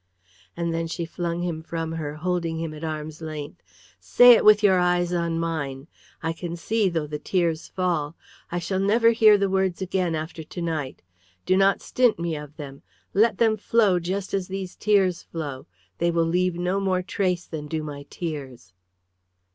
and then she flung him from her, holding him at arm's length. "Say it with your eyes on mine! I can see though the tears fall. I shall never hear the words again after to night. Do not stint me of them; let them flow just as these tears flow. They will leave no more trace than do my tears."